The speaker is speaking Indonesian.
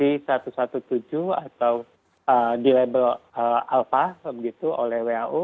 yang dilabel alpha begitu oleh who